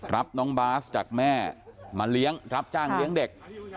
รับน้องบาสจากแม่มาเลี้ยงรับจ้างเลี้ยงเด็ก